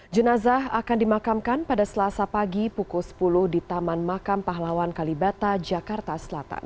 jenazah akan dimakamkan pada selasa pagi pukul sepuluh di taman makam pahlawan kalibata jakarta selatan